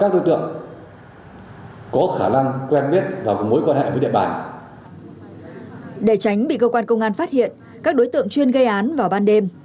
để tránh bị cơ quan công an phát hiện các đối tượng chuyên gây án vào ban đêm